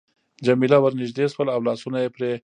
جميله ورنژدې شول او لاسونه يې پرې را چاپېره کړل.